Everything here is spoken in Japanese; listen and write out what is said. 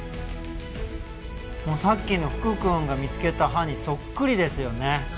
さっきの福くんが見つけた歯にそっくりですよね。